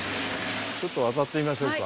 ちょっと当たってみましょうか。